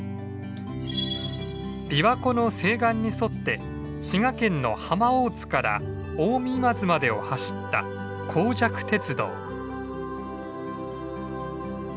琵琶湖の西岸に沿って滋賀県の浜大津から近江今津までを走った江若鉄道。